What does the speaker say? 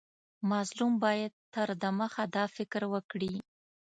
مظلوم باید تر دمخه دا فکر وکړي.